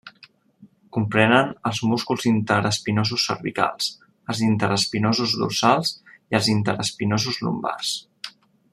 Comprenen els músculs interespinosos cervicals, els interespinosos dorsals i els interespinosos lumbars.